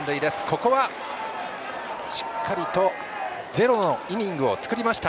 ここはしっかりとゼロのイニングを作りました。